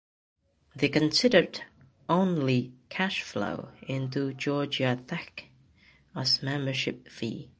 They considered "only" cash flow into Georgia Tech as membership fee.